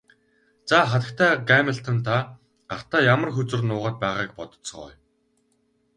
За хатагтай Гамильтон та гартаа ямар хөзөр нуугаад байгааг бодоцгооё.